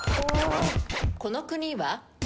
この国は？